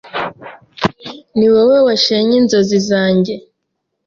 Niwowe washenye inzozi zanjye.